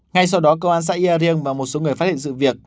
ngay sau đó công an xã yeri riêng và một số người phát hiện sự việc